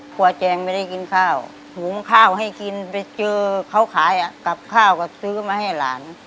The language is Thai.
แจงไม่ได้กินข้าวหุงข้าวให้กินไปเจอเขาขายอ่ะกลับข้าวก็ซื้อมาให้หลาน